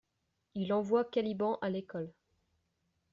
Il envoie Caliban à l'école.